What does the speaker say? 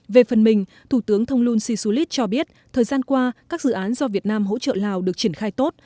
về phần mình thủ tướng thông luân si su lít cho biết thời gian qua các dự án do việt nam hỗ trợ lào được triển khai tốt